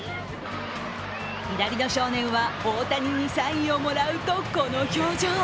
左の少年は大谷にサインをもらうと、この表情。